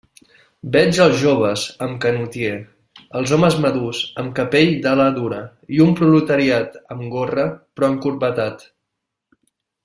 Veig els joves amb canotier, els homes madurs amb capell d'ala dura, i un proletariat amb gorra, però encorbatat.